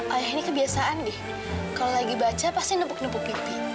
ayah ini kebiasaan bi kalau lagi baca pasti ngebuk pipi